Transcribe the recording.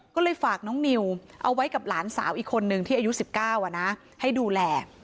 ก็เลยฝากน้องนิวเอาไว้กับหลานสาวอีกคนนึงที่อายุ๑๙ให้ดูแล